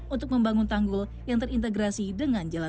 untuk membangun tanggul yang terintegrasi dengan jalan